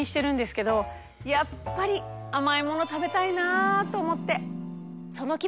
やっぱり甘いもの食べたいなと思って。